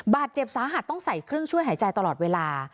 บาดเจ็บสาหัสต้องใส่เครื่องช่วยหายใจตลอดเวลา